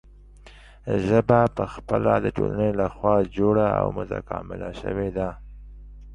ژبه پخپله د ټولنې له خوا جوړه او متکامله شوې ده.